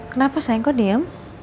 kenapa sayang kok diem